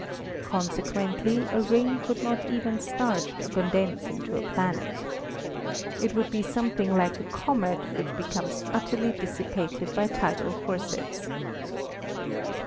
Consequently a ring could not even start to condense into a planet. It would be something like a comet which becomes utterly dissipated by tidal forces.